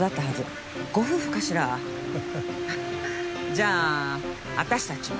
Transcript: じゃあ私たちも。